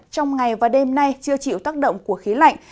trong ngày và đêm nay chưa chịu tác động của khí lạnh